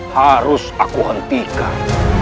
harus aku hentikan